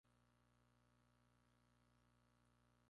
Su primer programa se llamaba "La otra dimensión".